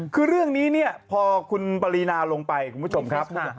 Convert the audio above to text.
คือเรื่องนี้เนี่ยพอคุณปรินาลงไปคุณผู้ชมครับ